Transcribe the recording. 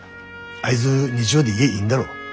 あいづ日曜で家いんだろ？